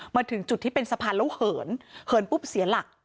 มาถึงจุดที่เป็นสะพานแล้วเหินปุ๊บเสียหลัก